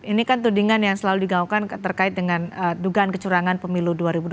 ini kan tudingan yang selalu digaungkan terkait dengan dugaan kecurangan pemilu dua ribu dua puluh